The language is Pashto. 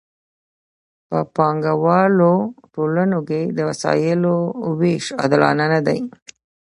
په پانګوالو ټولنو کې د وسایلو ویش عادلانه نه دی.